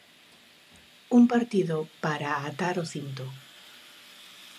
Un partido para atar o cinto.